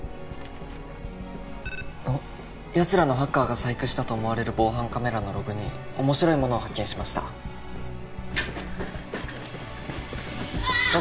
あっヤツらのハッカーが細工したと思われる防犯カメラのログに面白いものを発見しましたあっ！